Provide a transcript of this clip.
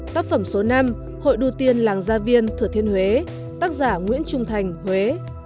tác phẩm số năm hội đô tiên làng gia viên thừa thiên huế tác giả nguyễn trung thành huế